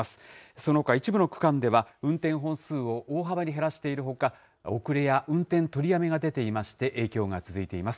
そのほか一部の区間では運転本数を大幅に減らしているほか、遅れや運転取りやめが出ていまして、影響が続いています。